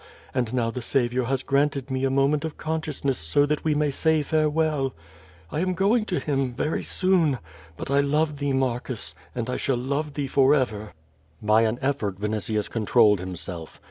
And now the Saviour has granted me a moment of consciousness so that we may say farewell. I am going to Him, very soon, but I love thee, Marcus, and I shall love thee forever." By an effort Vinitius controlled himself.